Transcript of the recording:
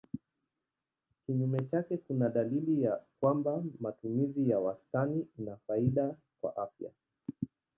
Kinyume chake kuna dalili ya kwamba matumizi ya wastani ina faida kwa afya.